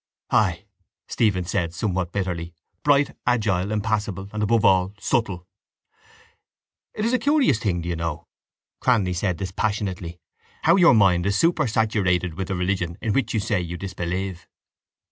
—Ay, Stephen said somewhat bitterly, bright, agile, impassible and, above all, subtle. —It is a curious thing, do you know, Cranly said dispassionately, how your mind is supersaturated with the religion in which you say you disbelieve.